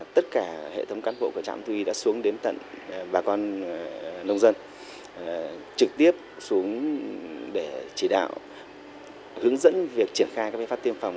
tất cả hệ thống cán bộ của trạm thu y đã xuống đến tận bà con nông dân trực tiếp xuống để chỉ đạo hướng dẫn việc triển khai các biện pháp tiêm phòng